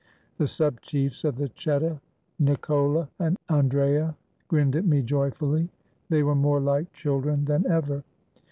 The sub chiefs of the cheta, Nicola and Andrea, grinned at me joyfully. They were more like children than ever.